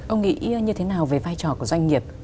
ông nghĩ như thế nào về vai trò của doanh nghiệp